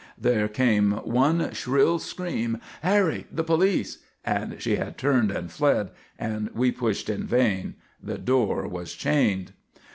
There came one shrill scream: "Harry! The police!" and she had turned and fled and we pushed in vain the door was chained!